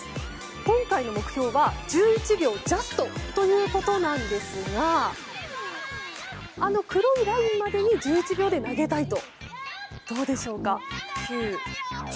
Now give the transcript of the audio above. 今回の目標は１１秒ジャストだそうですが黒いラインまでを１１秒で投げたいと。